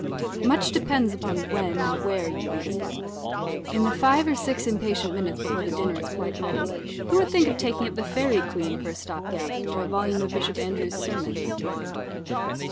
Much depends upon when and where you read a book. In the five or six impatient minutes, before the dinner is quite ready, who would think of taking up the Fairy Queen for a stop gap, or a volume of Bishop Andrewes' sermons?